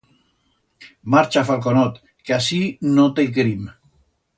Marcha, falconot, que así no te i querim.